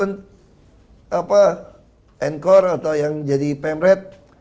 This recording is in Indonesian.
yang bisa encore atau yang jadi pamret